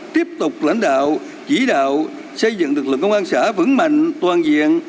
tiếp tục lãnh đạo chỉ đạo xây dựng lực lượng công an xã vững mạnh toàn diện